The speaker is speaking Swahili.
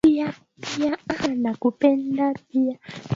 Kwao kuna watu na viatu